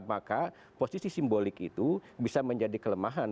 maka posisi simbolik itu bisa menjadi kelemahan